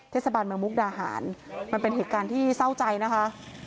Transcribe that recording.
เทศบาลเมืองมุกดาหารมันเป็นเหตุการณ์ที่เศร้าใจนะคะ